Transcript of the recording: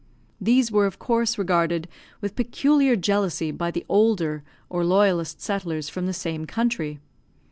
These were of course regarded with peculiar jealousy by the older or loyalist settlers from the same country.